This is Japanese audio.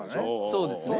そうですね。